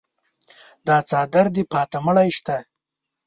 دا څادر دې پاته مړی شته.